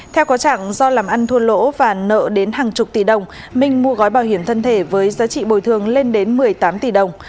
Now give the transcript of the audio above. theo có trạng do làm ăn thua lỗ và nợ đến hàng chục tỷ đồng minh mua gói bảo hiểm thân thể với giá trị bồi thường lên đến một mươi tám tỷ đồng